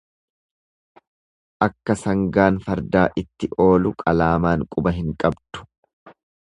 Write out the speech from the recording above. Akka sangaan fardaa itti oolu qalaamaan quba hin qabdu.